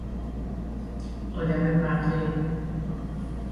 آدم وقیح